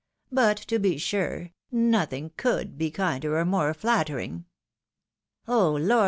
" But to be sure, nothing could be kinder or more flattering !"" Oh, lor